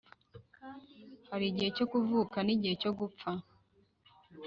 Harigihe cyo kuvuka nigihe cyo gupfa